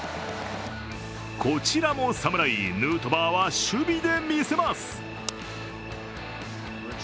こちらも侍ヌートバーは守備で見せます。